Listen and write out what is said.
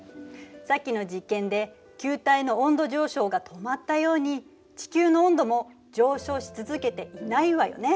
さっきの実験で球体の温度上昇が止まったように地球の温度も上昇し続けていないわよね。